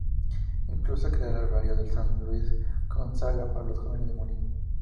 Incluso creará el Oratorio de San Luis Gonzaga para los jóvenes de Molina.